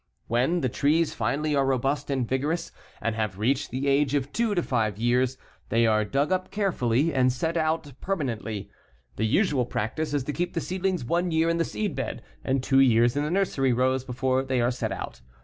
When the trees finally are robust and vigorous and have reached the age of two to five years, they are dug up carefully and set out permanently. The usual practice is to keep the seedlings one year in the seedbed and two years in the nursery rows before they are set out.